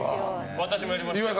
私もやりました。